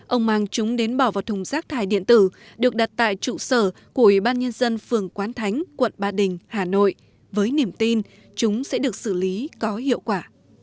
ông mang chúng đến bỏ vào thùng rác thải điện tử được đặt tại trụ sở của ủy ban nhân dân phường quán thánh quận ba đình hà nội với niềm tin chúng sẽ được xử lý có hiệu quả